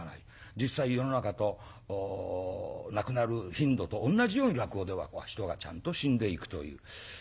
実際世の中と亡くなる頻度と同じように落語では人がちゃんと死んでいくという。